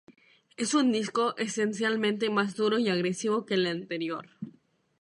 Es un disco esencialmente más duro y agresivo que el anterior.